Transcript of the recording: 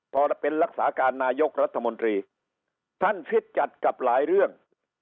พอเป็นรักษาการนายกรัฐมนตรีท่านฟิตจัดกับหลายเรื่อง